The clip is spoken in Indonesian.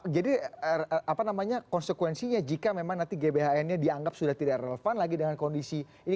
jadi apa namanya konsekuensinya jika gbhn nya dianggap sudah tidak relevan lagi dalam konstitusi kita